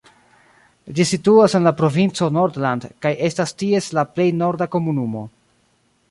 Ĝi situas en la provinco Nordland kaj estas ties la plej norda komunumo.